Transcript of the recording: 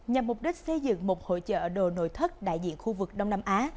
nhằm mục đích xây dựng một hội trợ đồ nội thất đại diện khu vực đông nam á